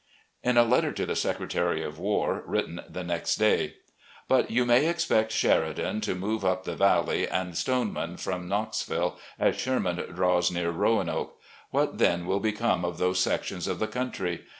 In a letter to the Secretary of War, written the next day: "... But you may expect Sheridan to move up the Valley, and Stoneman from Knoxville, as Sherman draws near Roanoke. What then will become of those sections of the country